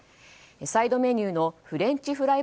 サイドメニューのフレンチフライ